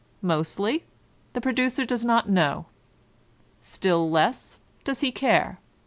Mostly the producer does not know; still less does he care.